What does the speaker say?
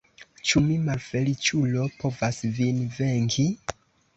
Ĉu mi, malfeliĉulo, povas vin venki?